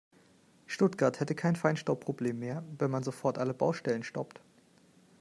Stuttgart hätte kein Feinstaubproblem mehr, wenn man sofort alle Baustellen stoppt.